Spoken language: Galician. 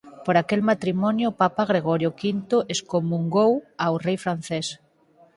Por aquel matrimonio o Papa Gregorio V excomungou ao rei francés.